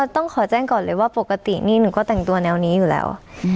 ต้องขอแจ้งก่อนเลยว่าปกตินี่หนูก็แต่งตัวแนวนี้อยู่แล้ว